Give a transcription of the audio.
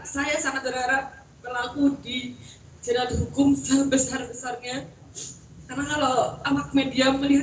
saya sangat berharap pelaku di jalan hukum sebesar besarnya karena kalau awak media melihat